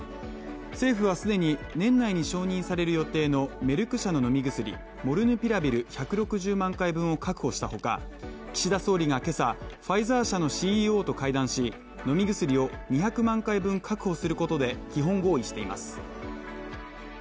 政府は既に年内に承認される予定のメルク社の飲み薬モルヌピラビル１６０万回分を確保したほか、岸田総理が今朝、ファイザー社のＣＥＯと会談し飲み薬を２００万回分確保することで基本合意しています。